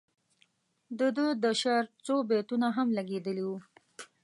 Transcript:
د ده د شعر څو بیتونه هم لګیدلي وو.